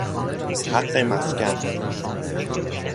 حق مسکن